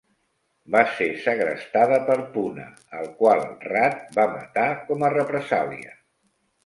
Va ser segrestada per Puna, el qual Rat va matar com a represàlia.